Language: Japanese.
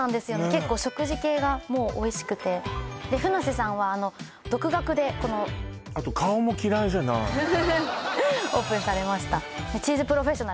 結構食事系がもうおいしくて船瀬さんはあの独学でこのあと顔も嫌いじゃないオープンされました